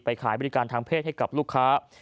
ขายบริการทางเพศให้กับลูกค้า